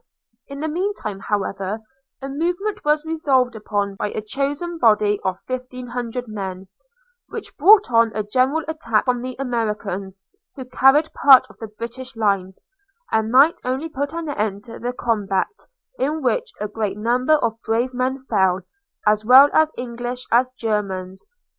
In the mean time, however, a movement was resolved upon by a chosen body of fifteen hundred men, which brought on a general attack from the Americans, who carried part of the British lines, and night only put an end to the combat, in which a great number of brave men fell, as well English as Germans.